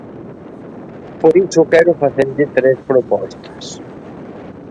Por iso quero facerlle tres propostas.